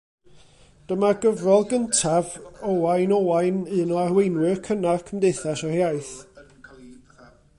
Dyma gyfrol gyntaf Owain Owain, un o arweinwyr cynnar Cymdeithas yr Iaith.